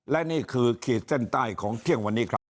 และนี่คือขีดเส้นใต้ของเที่ยงวันนี้ครับ